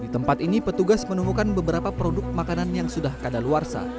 di tempat ini petugas menemukan beberapa produk makanan yang sudah kadaluarsa